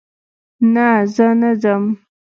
نه، زه نه ځم